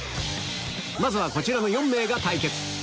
まずはこちらの４名が対決